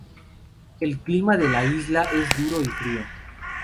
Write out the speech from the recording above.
El clima de la isla es duro y frío.